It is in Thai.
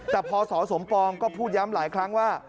แต่พอสสมปองก็พูดย้ำหลายครั้งว่า